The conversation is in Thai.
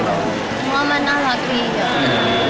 เพราะว่ามันน่ารักดีค่ะ